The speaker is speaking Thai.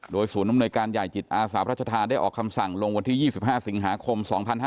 ศูนย์อำนวยการใหญ่จิตอาสาพระชธานได้ออกคำสั่งลงวันที่๒๕สิงหาคม๒๕๕๙